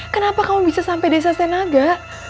kenapa kamu bisa sampai desa senaga